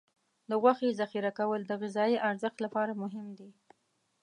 د غوښې ذخیره کول د غذايي ارزښت لپاره مهم دي.